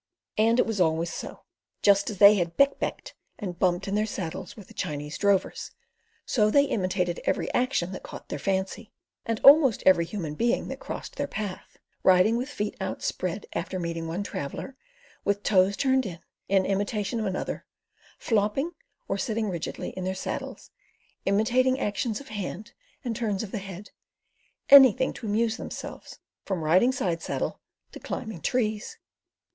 And it was always so. Just as they had "beck becked" and bumped in their saddles with the Chinese drovers, so they imitated every action that caught their fancy, and almost every human being that crossed their path—riding with feet outspread after meeting one traveller; with toes turned in, in imitation of another; flopping, or sitting rigidly in their saddles, imitating actions of hand and turns of the head; anything to amuse themselves, from riding side saddle to climbing trees.